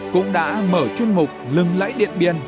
cũng đã mở chuyên mục lừng lẫy điện biên